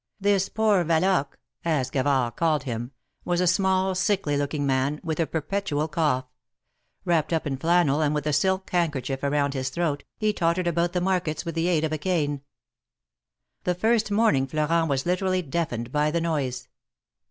^^This poor Yaloque," as Gavard called him, was a small, sickly looking man, with a perpetual cough ; wrapped up in flannel, and with a silk handkerchief around his throat, he tottered about the markets with the aid of a cane. The first morning Florent was literally deafened by the noise.